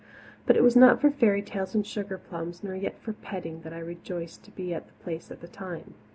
But it was not for fairy tales and sugarplums nor yet for petting that I rejoiced to be at the Place at that time.